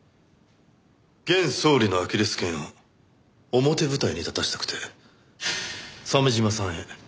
現総理のアキレス腱を表舞台に立たせたくて鮫島さんへ談判に行った。